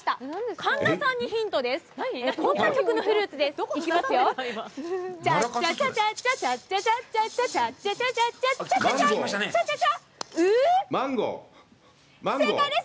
神田さんにヒントです。